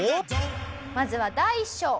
まずは第一章。